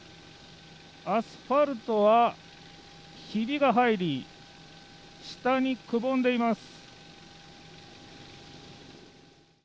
アスファルトは、ひびが入り下にくぼんでいます。